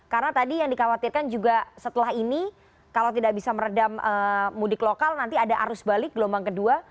karena tadi yang dikhawatirkan juga setelah ini kalau tidak bisa meredam mudik lokal nanti ada arus balik gelombang kedua